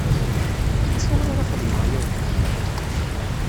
Acuɣer ara xedmeɣ aya weḥd-i?